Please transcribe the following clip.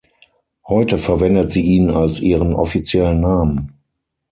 Heute verwendet sie ihn als ihren offiziellen Namen.